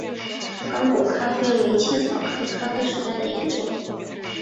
刚果咖啡为茜草科咖啡属下的一个种。